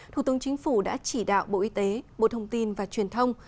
thủ tướng chính phủ đã chỉ đạo bộ y tế bộ thông tin và truyền thông